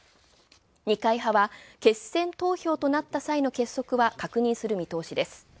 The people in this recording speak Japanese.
二階派は決選投票となった際の結束は確認する見通しです。